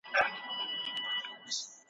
ولې ځینې لیکوالان ټوټکي هر ځای کاروي؟